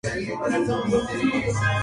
Tiene cinco hijos y once nietos.